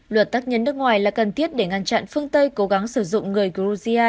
luật tác nhân nước ngoài là cần thiết để ngăn chặn phương tây cố gắng sử dụng người georgia